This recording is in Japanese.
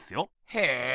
へえ